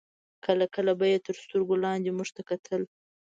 کله کله به یې تر سترګو لاندې موږ ته کتل.